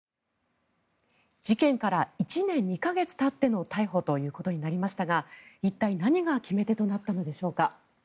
事件から１年２か月たっての逮捕ということになりましたが一体、何が決め手となったのでしょうか。